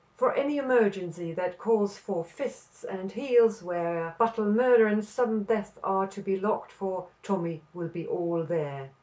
"For any emergency that calls for fists and heels, where battle, murder and sudden death are to be looked for, Tommy will be all there."